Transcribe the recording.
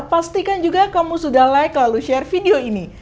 pastikan juga kamu sudah like lalu share video ini